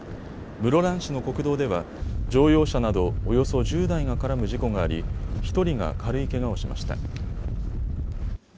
室蘭市の国道では乗用車などおよそ１０台が絡む事故があり１人が軽いけがをしました。